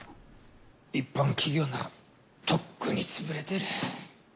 一般企業ならとっくに潰れてる。